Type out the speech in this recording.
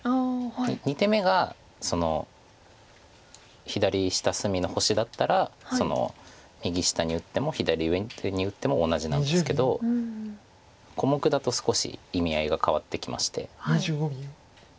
２手目が左下隅の星だったら右下に打っても左上に打っても同じなんですけど小目だと少し意味合いが変わってきまして。